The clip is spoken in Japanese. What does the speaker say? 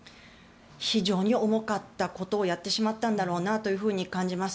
非常に重かったことをやってしまったんだろうなと感じます。